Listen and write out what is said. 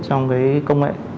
trong công nghệ